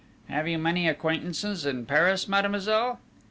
"Have you many acquaintances in Paris, mademoiselle?"